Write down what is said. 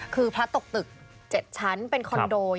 คือพระตกตึก๗ชั้นเป็นคอนโด